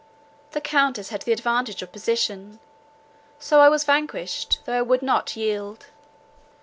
The Countess had the advantage of position; so I was vanquished, though I would not yield.